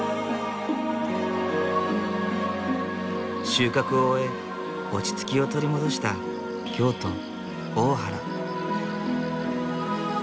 収穫を終え落ち着きを取り戻した京都・大原。